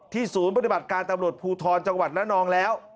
ศูนย์ปฏิบัติการตำรวจภูทรจังหวัดระนองแล้ว